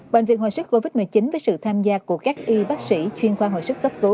bệnh viện hồi sức covid một mươi chín với sự tham gia của các y bác sĩ chuyên khoa hội sức cấp cứu